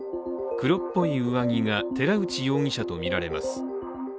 黒っぽい上着が寺内容疑者とみられます。